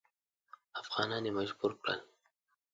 افغانان یې مجبور کړل.